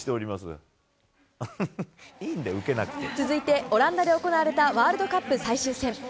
続いて、オランダで行われたワールドカップ最終戦。